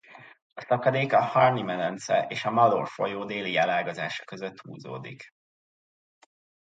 A szakadék a Harney-medence és a Malheur-folyó déli elágazása között húzódik.